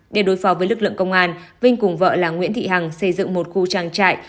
để đối phó với lực lượng công an vinh cùng vợ là nguyễn thị hằng xây dựng một khu trang trại